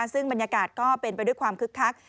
ซึ่งบรรยากาศก็เป็นไปด้วยความคึกคัก